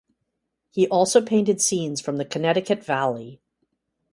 He also painted scenes from the Connecticut Valley.